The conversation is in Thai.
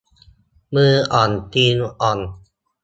มืออ่อนตีนอ่อน